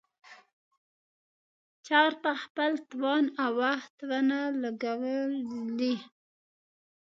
چا ورته خپل توان او وخت ونه لګولې.